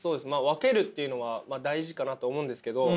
分けるっていうのは大事かなと思うんですけど。